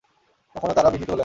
কখনো তারা বিজিত হলেন।